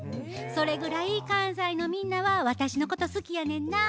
それぐらい関西のみんなは私のこと好きやねんな。